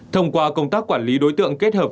thông qua công tác quản lý đối tượng kết hợp với các bộ